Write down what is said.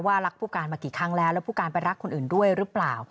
ว่าหลักภูกรานมากี่ครั้งแล้วแล้วภูกรานไปรักคนอื่นด้วยรึเปล่า